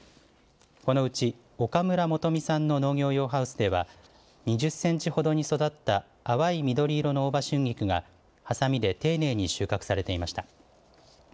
このうち岡村資巳さんの農業用ハウスでは２０センチほどに育った淡い緑色の大葉春菊がはさみで丁寧に収穫されていました。